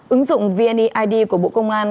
ứng dụng vniid của bộ công an